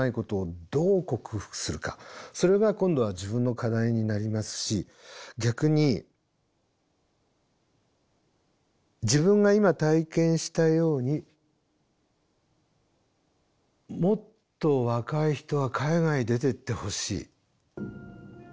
それが今度は自分の課題になりますし逆に自分が今体験したようにもっと若い人は海外出ていってほしい。